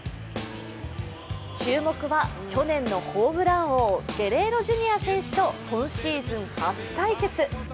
注目は去年のホームラン王ゲレーロ・ジュニア選手と今シーズン初対決。